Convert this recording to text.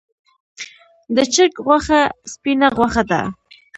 د چرګ غوښه سپینه غوښه ده